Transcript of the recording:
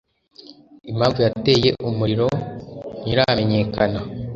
Impamvu yateye umuriro ntiramenyekana